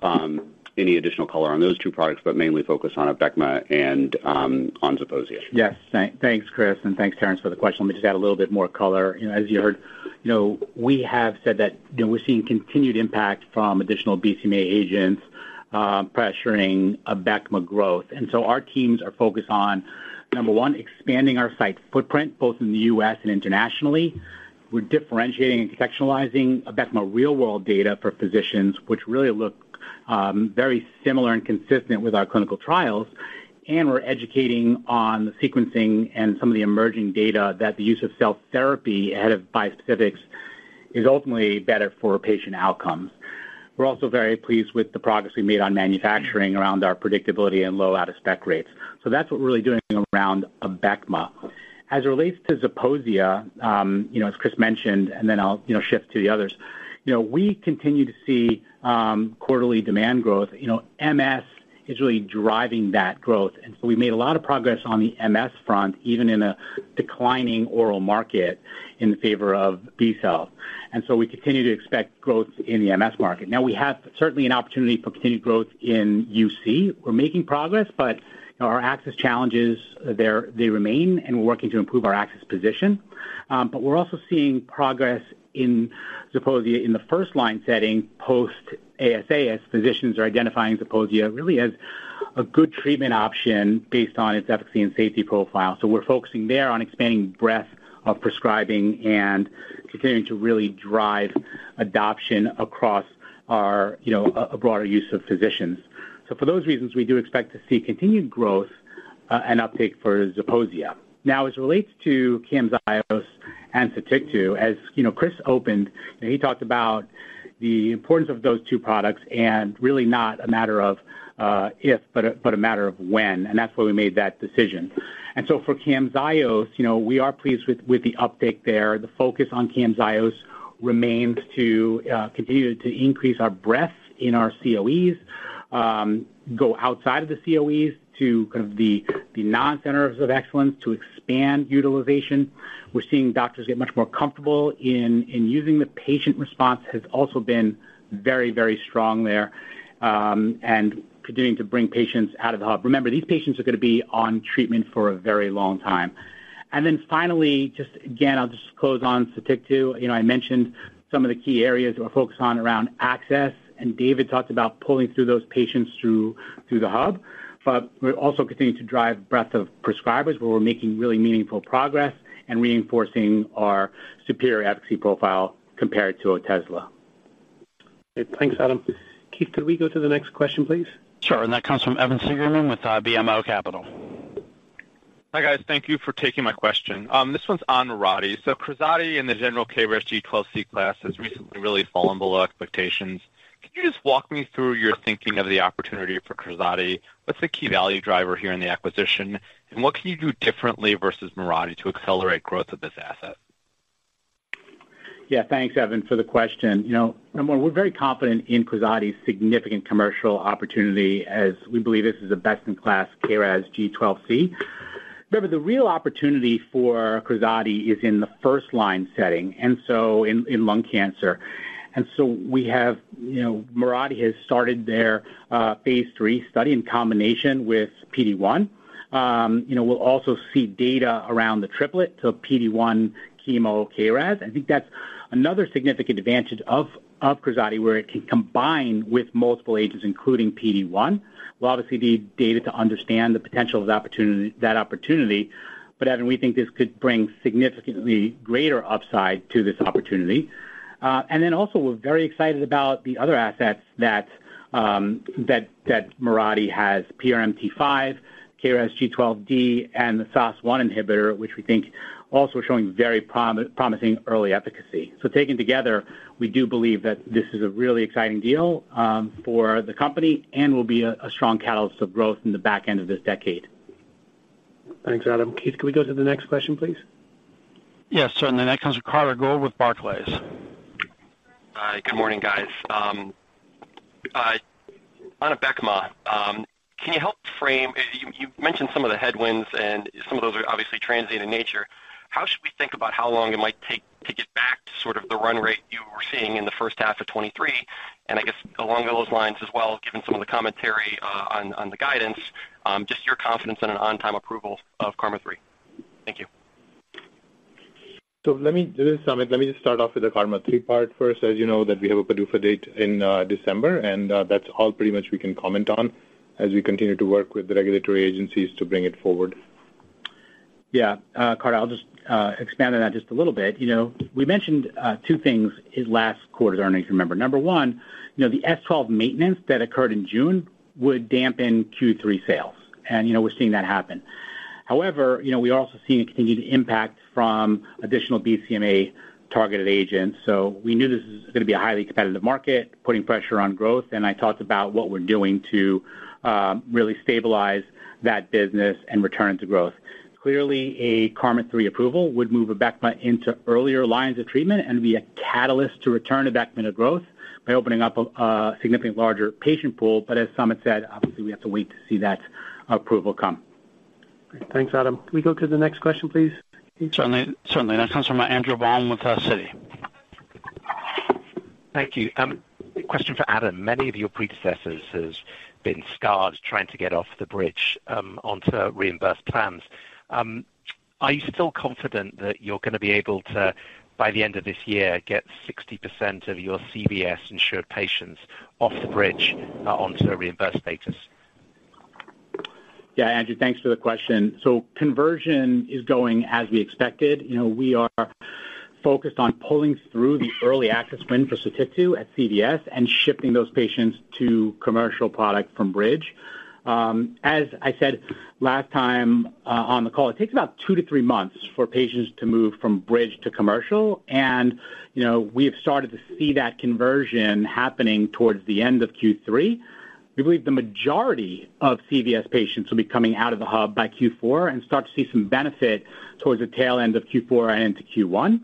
any additional color on those two products, but mainly focus on Abecma and on Zeposia. Yes, thanks, Chris, and thanks, Terence, for the question. Let me just add a little bit more color. You know, as you heard, you know, we have said that, you know, we're seeing continued impact from additional BCMA agents, pressuring Abecma growth. And so our teams are focused on, number one, expanding our site footprint, both in the U.S. and internationally. We're differentiating and contextualizing Abecma real-world data for physicians, which really look very similar and consistent with our clinical trials. And we're educating on the sequencing and some of the emerging data that the use of cell therapy ahead of bispecifics is ultimately better for patient outcomes. We're also very pleased with the progress we made on manufacturing around our predictability and low out-of-spec rates. So that's what we're really doing around Abecma. As it relates to Zeposia, you know, as Chris mentioned, and then I'll, you know, shift to the others. You know, we continue to see quarterly demand growth. You know, MS is really driving that growth, and so we made a lot of progress on the MS front, even in a declining oral market, in favor of B-cell. And so we continue to expect growth in the MS market. Now, we have certainly an opportunity for continued growth in UC. We're making progress, but, you know, our access challenges, they remain, and we're working to improve our access position. But we're also seeing progress in Zeposia in the first line setting post ASA, as physicians are identifying Zeposia really as a good treatment option based on its efficacy and safety profile. So we're focusing there on expanding breadth of prescribing and continuing to really drive adoption across our, you know, a broader use of physicians. So for those reasons, we do expect to see continued growth and uptake for Zeposia. Now, as it relates to Camzyos and Sotyktu, as you know, Chris opened, and he talked about the importance of those two products and really not a matter of if, but a matter of when, and that's why we made that decision. And so for Camzyos, you know, we are pleased with the uptake there. The focus on Camzyos remains to continue to increase our breadth in our COEs, go outside of the COEs to kind of the non-centers of excellence to expand utilization. We're seeing doctors get much more comfortable in using. The patient response has also been very, very strong there, and continuing to bring patients out of the hub. Remember, these patients are gonna be on treatment for a very long time. And then finally, just again, I'll just close on Sotyktu. You know, I mentioned some of the key areas we're focused on around access, and David talked about pulling through those patients through the hub. But we're also continuing to drive breadth of prescribers, where we're making really meaningful progress and reinforcing our superior efficacy profile compared to Otezla. Thanks, Adam. Keith, could we go to the next question, please? Sure. And that comes from Evan Seigerman with BMO Capital. Hi, guys. Thank you for taking my question. This one's on Mirati. So Krazati and the general KRAS G12C class has recently really fallen below expectations. Can you just walk me through your thinking of the opportunity for Krazati? What's the key value driver here in the acquisition, and what can you do differently versus Mirati to accelerate growth of this asset? Yeah, thanks, Evan, for the question. You know, number one, we're very confident in Krazati's significant commercial opportunity as we believe this is a best-in-class KRAS G12C. Remember, the real opportunity for Krazati is in the first line setting, and so in lung cancer. And so we have... You know, Mirati has started their phase 3 study in combination with PD-1. You know, we'll also see data around the triplet to PD-1 chemo KRAS. I think that's another significant advantage of Krazati, where it can combine with multiple agents, including PD-1. We'll obviously need data to understand the potential of the opportunity, that opportunity, but Evan, we think this could bring significantly greater upside to this opportunity.... And then also, we're very excited about the other assets that Mirati has, PRMT5, KRAS G12D, and the SOS1 inhibitor, which we think also showing very promising early efficacy. So taken together, we do believe that this is a really exciting deal for the company and will be a strong catalyst of growth in the back end of this decade. Thanks, Adam. Keith, can we go to the next question, please? Yes, certainly. The next comes from Carter Gould with Barclays. Hi, good morning, guys. On Abecma, can you help frame? You, you mentioned some of the headwinds, and some of those are obviously transient in nature. How should we think about how long it might take to get back to sort of the run rate you were seeing in the H1 of 2023? And I guess along those lines as well, given some of the commentary on the guidance, just your confidence in an on-time approval of KarMMa-3. Thank you. Let me—this is Samit. Let me just start off with the Krazati part first. As you know, that we have a PDUFA date in December, and that's all pretty much we can comment on as we continue to work with the regulatory agencies to bring it forward. Yeah, Carter, I'll just expand on that just a little bit. You know, we mentioned two things in last quarter's earnings, remember. Number one, you know, the S12 maintenance that occurred in June would dampen Q3 sales, and, you know, we're seeing that happen. However, you know, we are also seeing a continued impact from additional BCMA-targeted agents. So we knew this was gonna be a highly competitive market, putting pressure on growth, and I talked about what we're doing to really stabilize that business and return it to growth. Clearly, a KarMMa-3 approval would move Abecma into earlier lines of treatment and be a catalyst to return Abecma to growth by opening up a significant larger patient pool. But as Samit said, obviously, we have to wait to see that approval come. Thanks, Adam. Can we go to the next question, please? Certainly. Certainly. That comes from Andrew Baum with Citi. Thank you. A question for Adam. Many of your predecessors has been scarred trying to get off the bridge, onto reimbursed plans. Are you still confident that you're gonna be able to, by the end of this year, get 60% of your CVS-insured patients off the bridge, onto a reimbursed status? Yeah, Andrew, thanks for the question. So conversion is going as we expected. You know, we are focused on pulling through the early access win for Sotyktu at CVS and shifting those patients to commercial product from Bridge. As I said last time, on the call, it takes about 2-3 months for patients to move from Bridge to commercial, and, you know, we have started to see that conversion happening towards the end of Q3. We believe the majority of CVS patients will be coming out of the hub by Q4 and start to see some benefit towards the tail end of Q4 and into Q1.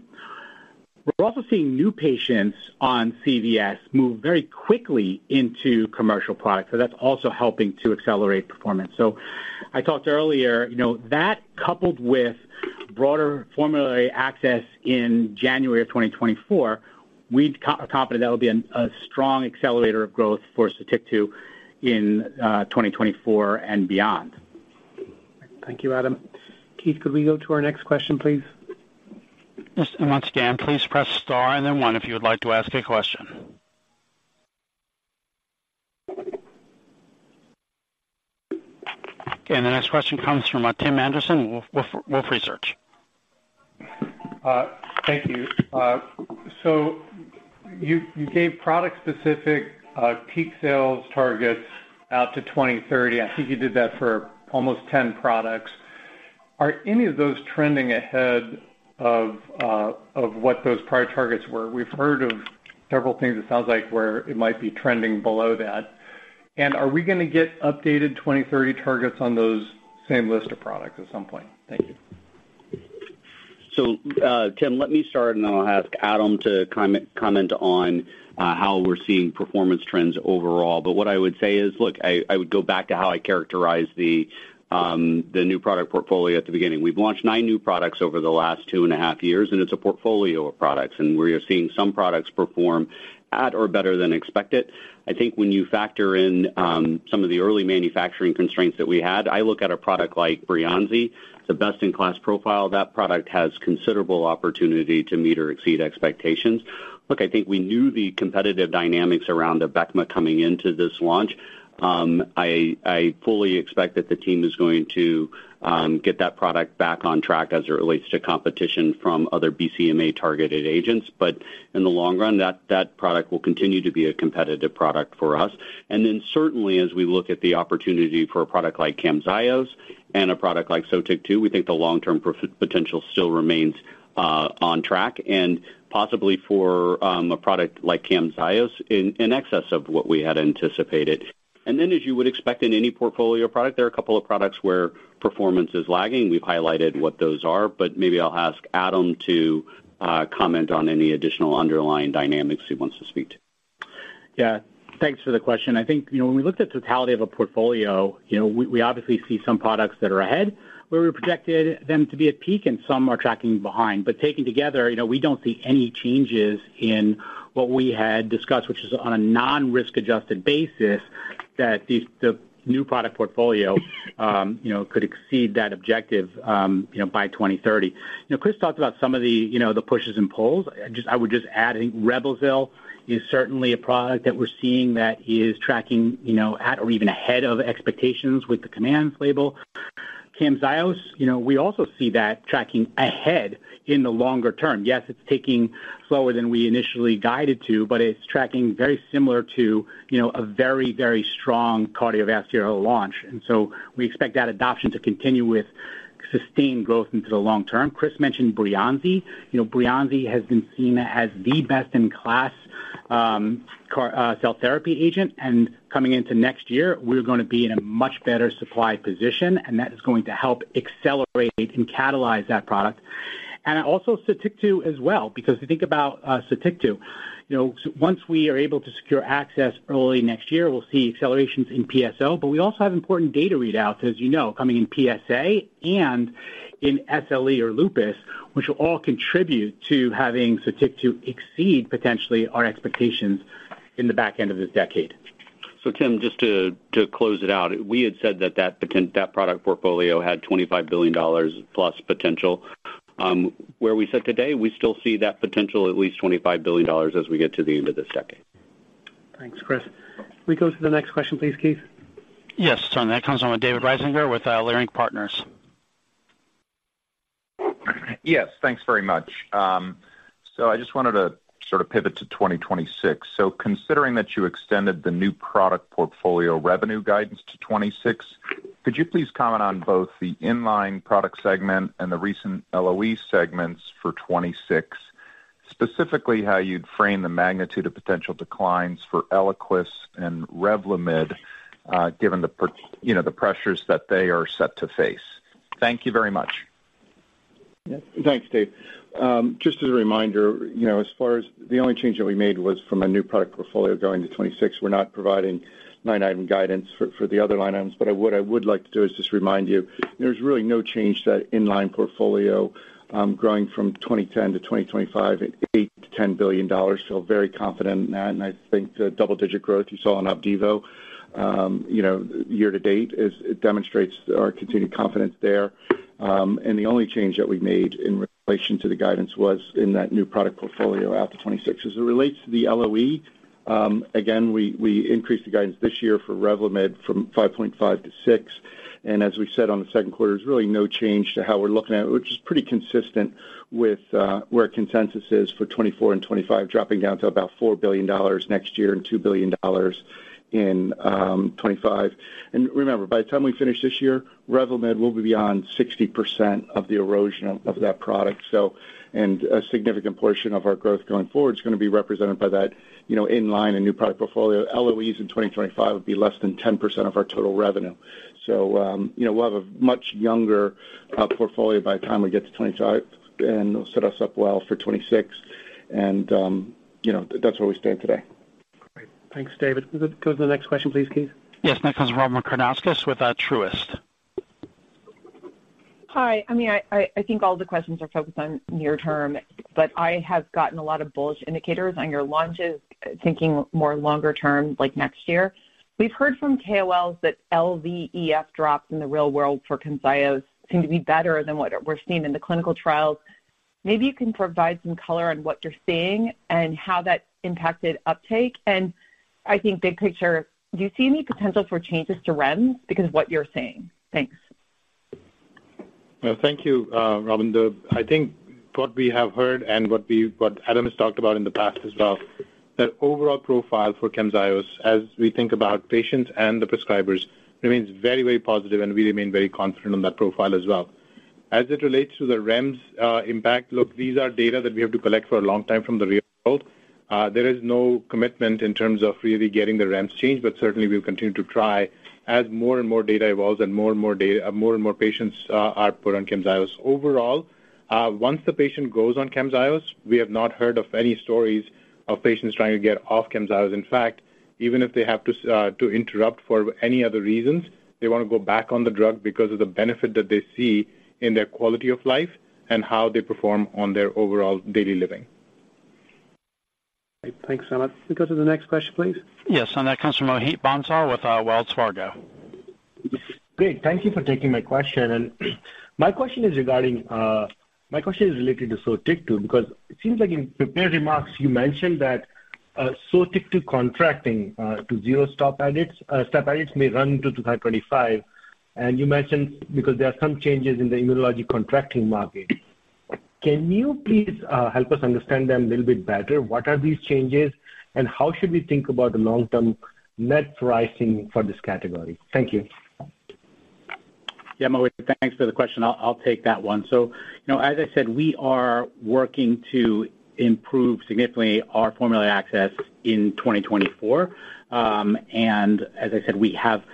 We're also seeing new patients on CVS move very quickly into commercial products, so that's also helping to accelerate performance. So I talked earlier, you know, that coupled with broader formulary access in January of 2024, we're confident that will be a strong accelerator of growth for Sotyktu in 2024 and beyond. Thank you, Adam. Keith, could we go to our next question, please? Yes, and once again, please press Star and then One if you would like to ask a question. And the next question comes from Tim Anderson, Wolfe Research. Thank you. You gave product-specific peak sales targets out to 2030. I think you did that for almost 10 products. Are any of those trending ahead of what those prior targets were? We've heard of several things, it sounds like, where it might be trending below that. Are we gonna get updated 2030 targets on those same list of products at some point? Thank you. So, Tim, let me start, and then I'll ask Adam to comment on how we're seeing performance trends overall. But what I would say is, look, I would go back to how I characterized the new product portfolio at the beginning. We've launched nine new products over the last two and a half years, and it's a portfolio of products, and we are seeing some products perform at or better than expected. I think when you factor in some of the early manufacturing constraints that we had, I look at a product like Breyanzi, the best-in-class profile. That product has considerable opportunity to meet or exceed expectations. Look, I think we knew the competitive dynamics around Abecma coming into this launch. I fully expect that the team is going to get that product back on track as it relates to competition from other BCMA-targeted agents. But in the long run, that product will continue to be a competitive product for us. And then, certainly, as we look at the opportunity for a product like Camzyos and a product like Sotyktu, we think the long-term potential still remains on track, and possibly for a product like Camzyos, in excess of what we had anticipated. And then, as you would expect in any portfolio product, there are a couple of products where performance is lagging. We've highlighted what those are, but maybe I'll ask Adam to comment on any additional underlying dynamics he wants to speak to. Yeah. Thanks for the question. I think, you know, when we looked at totality of a portfolio, you know, we, we obviously see some products that are ahead, where we projected them to be at peak, and some are tracking behind. But taken together, you know, we don't see any changes in what we had discussed, which is on a non-risk-adjusted basis, that these, the new product portfolio, you know, could exceed that objective, you know, by 2030. You know, Chris talked about some of the, you know, the pushes and pulls. Just, I would just add, I think Reblozyl is certainly a product that we're seeing that is tracking, you know, at or even ahead of expectations with the expanded label. Camzyos, you know, we also see that tracking ahead in the longer term. Yes, it's taking slower than we initially guided to, but it's tracking very similar to, you know, a very, very strong cardiovascular launch. And so we expect that adoption to continue with sustained growth into the long term. Chris mentioned Breyanzi. You know, Breyanzi has been seen as the best-in-class CAR T-cell therapy agent, and coming into next year, we're gonna be in a much better supply position, and that is going to help accelerate and catalyze that product. And also, Sotyktu as well, because if you think about Sotyktu, you know, once we are able to secure access early next year, we'll see accelerations in PSO. But we also have important data readouts, as you know, coming in PSA and in SLE or lupus, which will all contribute to having Sotyktu exceed, potentially, our expectations in the back end of this decade. So Tim, just to close it out, we had said that product portfolio had $25 billion plus potential. Where we sit today, we still see that potential at least $25 billion as we get to the end of this decade. Thanks, Chris. Can we go to the next question, please, Keith? Yes, sure. That comes from David Risinger with Leerink Partners. Yes, thanks very much. So I just wanted to sort of pivot to 2026. So considering that you extended the new product portfolio revenue guidance to 2026, could you please comment on both the in-line product segment and the recent LOE segments for 2026, specifically how you'd frame the magnitude of potential declines for Eliquis and Revlimid, you know, the pressures that they are set to face? Thank you very much. Yeah. Thanks, Dave. Just as a reminder, you know, as far as the only change that we made was from a new product portfolio going to 2026. We're not providing line item guidance for the other line items. But I would like to do is just remind you, there's really no change to that in-line portfolio, growing from 2010 to 2025, at $8 billion-$10 billion. So very confident in that, and I think the double-digit growth you saw on Opdivo, you know, year to date is. It demonstrates our continued confidence there. And the only change that we made in relation to the guidance was in that new product portfolio out to 2026. As it relates to the LOE, again, we increased the guidance this year for Revlimid from 5.5 to 6. As we said on the Q2, there's really no change to how we're looking at it, which is pretty consistent with where consensus is for 2024 and 2025, dropping down to about $4 billion next year and $2 billion in 2025. And remember, by the time we finish this year, Revlimid will be beyond 60% of the erosion of that product. So. And a significant portion of our growth going forward is gonna be represented by that, you know, in-line and new product portfolio. LOEs in 2025 will be less than 10% of our total revenue. So, you know, we'll have a much younger product portfolio by the time we get to 2025, and it'll set us up well for 2026. And, you know, that's where we stand today. Great. Thanks, David. Can we go to the next question, please, Keith? Yes. Next comes Robyn Karnauskas with Truist. Hi. I mean, I think all the questions are focused on near term, but I have gotten a lot of bullish indicators on your launches, thinking more longer term, like next year. We've heard from KOLs that LVEF drops in the real world for Camzyos seem to be better than what we're seeing in the clinical trials. Maybe you can provide some color on what you're seeing and how that impacted uptake. And I think big picture, do you see any potential for changes to REMS because of what you're seeing? Thanks. Well, thank you, Robyn. I think what we have heard and what we've, what Adam has talked about in the past as well, that overall profile for Camzyos, as we think about patients and the prescribers, remains very, very positive, and we remain very confident on that profile as well. As it relates to the REMS impact, look, these are data that we have to collect for a long time from the real world. There is no commitment in terms of really getting the REMS changed, but certainly, we'll continue to try as more and more data evolves and more and more patients are put on Camzyos. Overall, once the patient goes on Camzyos, we have not heard of any stories of patients trying to get off Camzyos. In fact, even if they have to interrupt for any other reasons, they wanna go back on the drug because of the benefit that they see in their quality of life and how they perform on their overall daily living. Great. Thanks so much. Can we go to the next question, please? Yes, and that comes from Mohit Bansal with, Wells Fargo. Great. Thank you for taking my question. My question is related to Sotyktu, because it seems like in prepared remarks, you mentioned that Sotyktu contracting to zero step edits may run to 2025, and you mentioned because there are some changes in the immunologic contracting market. Can you please help us understand them a little bit better? What are these changes, and how should we think about the long-term net pricing for this category? Thank you. Yeah, Mohit, thanks for the question. I'll take that one. So, you know, as I said, we are working to improve significantly our formulary access in 2024. And as I said, we have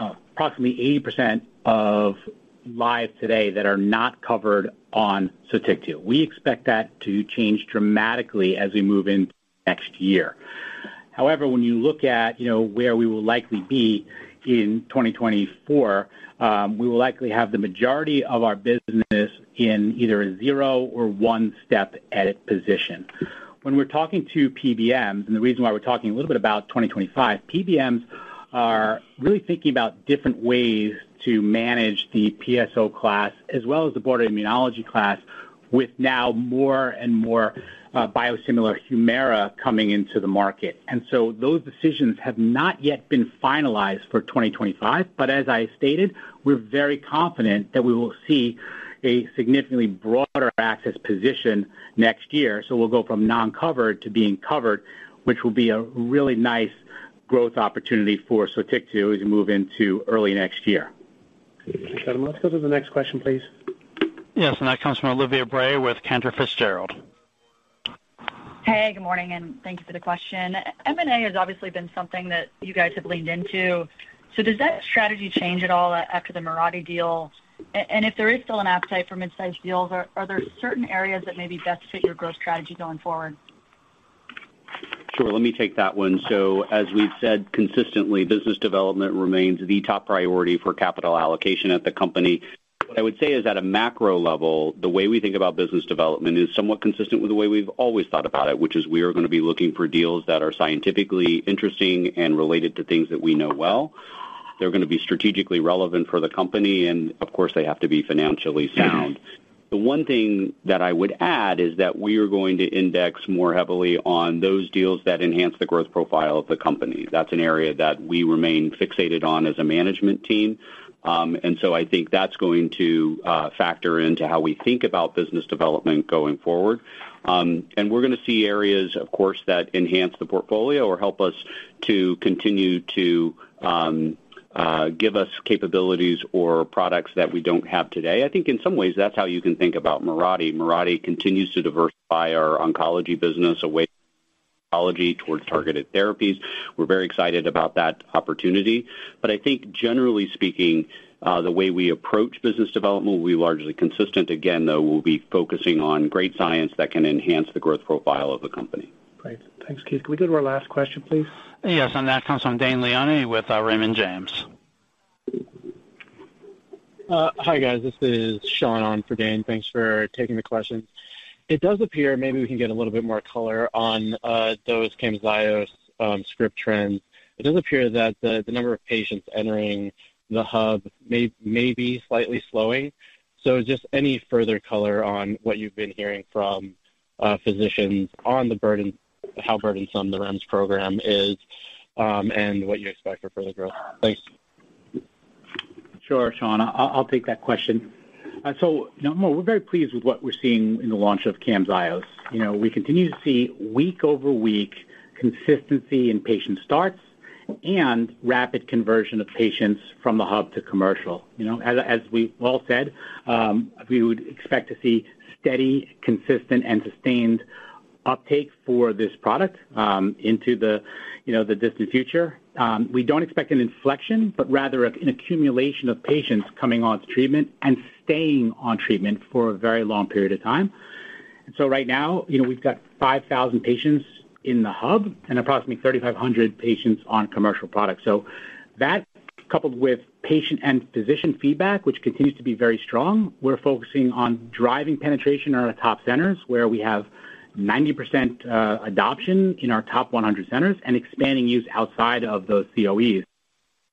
approximately 80% of lives today that are not covered on Sotyktu. We expect that to change dramatically as we move into next year. However, when you look at, you know, where we will likely be in 2024, we will likely have the majority of our business in either a 0 or 1-step edit position. When we're talking to PBMs, and the reason why we're talking a little bit about 2025, PBMs are really thinking about different ways to manage the PSO class, as well as the broad immunology class... With now more and more biosimilar Humira coming into the market. So those decisions have not yet been finalized for 2025, but as I stated, we're very confident that we will see a significantly broader access position next year. We'll go from non-covered to being covered, which will be a really nice growth opportunity for Sotyktu as we move into early next year. Let's go to the next question, please. Yes, and that comes from Olivia Brayer with Cantor Fitzgerald. Hey, good morning, and thank you for the question. M&A has obviously been something that you guys have leaned into. So does that strategy change at all after the Mirati deal? And if there is still an appetite for mid-sized deals, are there certain areas that maybe best fit your growth strategy going forward? Sure. Let me take that one. So as we've said consistently, business development remains the top priority for capital allocation at the company. What I would say is, at a macro level, the way we think about business development is somewhat consistent with the way we've always thought about it, which is we are going to be looking for deals that are scientifically interesting and related to things that we know well. They're going to be strategically relevant for the company, and of course, they have to be financially sound. The one thing that I would add is that we are going to index more heavily on those deals that enhance the growth profile of the company. That's an area that we remain fixated on as a management team. And so I think that's going to factor into how we think about business development going forward. We're going to see areas, of course, that enhance the portfolio or help us to continue to give us capabilities or products that we don't have today. I think in some ways, that's how you can think about Mirati. Mirati continues to diversify our oncology business away from oncology towards targeted therapies. We're very excited about that opportunity, but I think generally speaking, the way we approach business development will be largely consistent. Again, though, we'll be focusing on great science that can enhance the growth profile of the company. Great. Thanks, Keith. Can we go to our last question, please? Yes, and that comes from Dane Leone with Raymond James. Hi, guys. This is Sean on for Dane. Thanks for taking the question. It does appear maybe we can get a little bit more color on those Camzyos script trends. It does appear that the number of patients entering the hub may be slightly slowing. So just any further color on what you've been hearing from physicians on the burden – how burdensome the REMS program is, and what you expect for further growth? Thanks. Sure, Sean. I'll, I'll take that question. So no, we're very pleased with what we're seeing in the launch of Camzyos. You know, we continue to see week-over-week consistency in patient starts and rapid conversion of patients from the hub to commercial. You know, as, as we all said, we would expect to see steady, consistent and sustained uptake for this product, into the, you know, the distant future. We don't expect an inflection, but rather an accumulation of patients coming onto treatment and staying on treatment for a very long period of time. And so right now, you know, we've got 5,000 patients in the hub and approximately 3,500 patients on commercial products. So that, coupled with patient and physician feedback, which continues to be very strong, we're focusing on driving penetration in our top centers, where we have 90% adoption in our top 100 centers and expanding use outside of those COEs.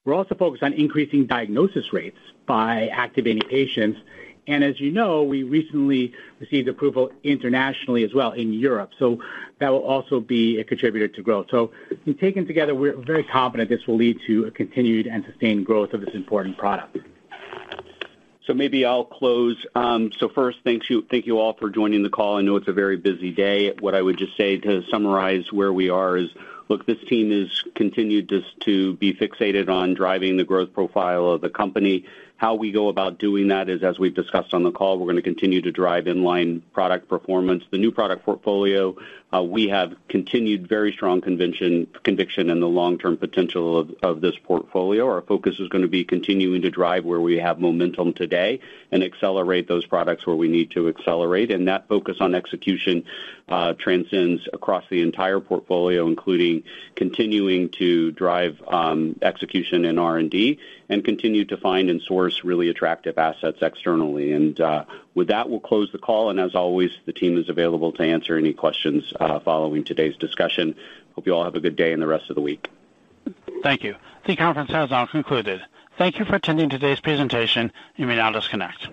We're also focused on increasing diagnosis rates by activating patients, and as you know, we recently received approval internationally as well in Europe, so that will also be a contributor to growth. So when taken together, we're very confident this will lead to a continued and sustained growth of this important product. Maybe I'll close. First, thank you all for joining the call. I know it's a very busy day. What I would just say to summarize where we are is, look, this team has continued just to be fixated on driving the growth profile of the company. How we go about doing that is, as we've discussed on the call, we're going to continue to drive in-line product performance. The new product portfolio, we have continued very strong conviction in the long-term potential of this portfolio. Our focus is going to be continuing to drive where we have momentum today and accelerate those products where we need to accelerate, and that focus on execution transcends across the entire portfolio, including continuing to drive execution in R&D and continue to find and source really attractive assets externally. With that, we'll close the call, and as always, the team is available to answer any questions following today's discussion. Hope you all have a good day and the rest of the week. Thank you. The conference has now concluded. Thank you for attending today's presentation. You may now disconnect.